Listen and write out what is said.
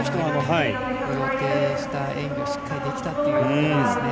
予定した演技をしっかりできたっていうことですね。